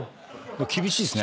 厳しいっすね。